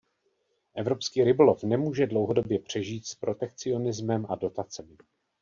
Evropský rybolov nemůže dlouhodobě přežít s protekcionismem a dotacemi.